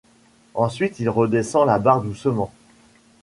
Ensuite il redescend la barre doucement.